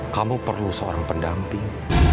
kamu perlu seorang pendamping